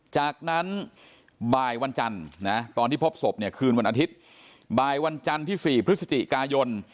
จากนั้นบ่ายวันจันทร์นะตอนที่พบศพเนี่ยคืนวันอาทิตย์บ่ายวันจันทร์ที่๔พฤศจิกายน